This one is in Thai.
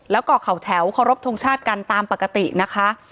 แล้วก็เขาแถวเคารพทงชาติกันตามปกตินะคะ